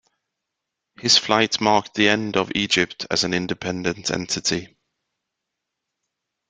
His flight marked the end of Egypt as an independent entity.